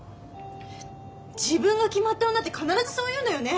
自分が決まった女って必ずそう言うのよね。